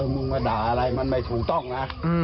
มึงมาด่าอะไรมันไม่ถูกต้องนะ